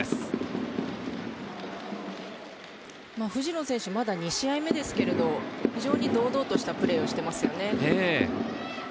藤野選手、まだ２試合目ですけれど、堂々としたプレーをしていますよね。